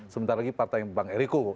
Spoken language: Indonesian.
sebentar lagi partai bang eriko